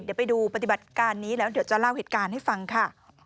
เดี๋ยวไปดูปฏิบัติการนี้แล้วเดี๋ยวจะเล่าเหตุการณ์ให้ฟังค่ะ